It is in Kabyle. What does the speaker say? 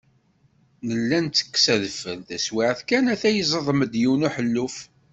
Nella nettekkes adfel, taswiɛt kan ata yeẓdem-d yiwen uḥelluf.